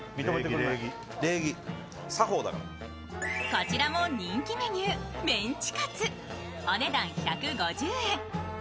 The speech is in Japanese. こちらも人気メニュー、メンチカツ、お値段１５０円。